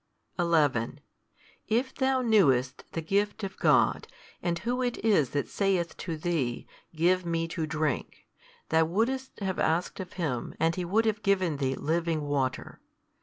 11 If thou knewest the gift of God, and Who It is That saith to thee, Give Me to drink; thou wouldest have asked of Him, and He would have given thee living water.